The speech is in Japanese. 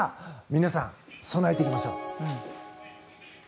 皆さん、備えていきましょう。